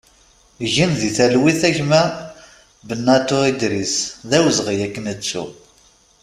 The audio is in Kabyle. Gen di talwit a gma Benatou Idris, d awezɣi ad k-nettu!